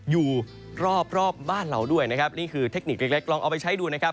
อยู่รอบรอบบ้านเราด้วยนะครับนี่คือเทคนิคเล็กเล็กลองเอาไปใช้ดูนะครับ